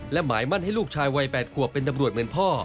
และหมายมั่นให้ลูกชายวัย๘ขวบเป็นตำรวจเหมือนพ่อ